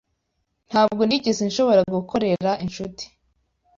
Ntabwo nigeze nshobora gukorera Nshuti.